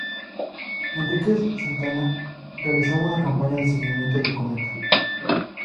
Henríquez Santana realizaba una campaña de seguimiento del cometa.